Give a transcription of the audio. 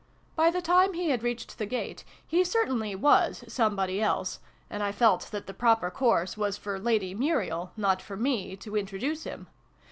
By the time he had reached the gate, he certainly was some body else : and I felt that the proper course was for Lady Muriel, not for me, to introduce him.